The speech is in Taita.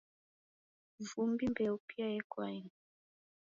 Vumbi, Mbeo pia yekwaeni